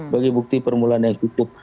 bagi bukti permulaan yang cukup